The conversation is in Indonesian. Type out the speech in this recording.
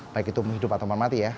baik itu menghidup atau mati ya